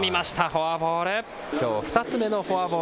フォアボール。